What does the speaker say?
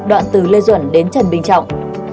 đoạn từ lê duẩn đến trần bình trọng